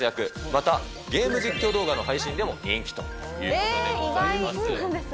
また、ゲーム実況動画の配信でも人気ということでございます。